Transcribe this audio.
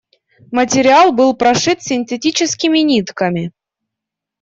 Материал был прошит синтетическими нитками.